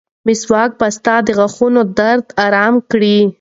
مسواک به ستا د غاښونو درد ارامه کړي.